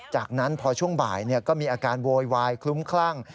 จากนั้นพอช่วงบ่ายก็มีอาการโวยวายคลุ้มคลั่ง